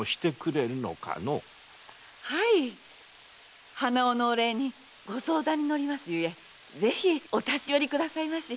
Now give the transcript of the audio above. はい鼻緒のお礼にご相談に乗りますゆえぜひお立ち寄りくださいまし。